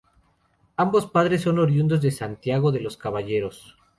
Ambos padres son oriundos de Santiago de los Caballeros.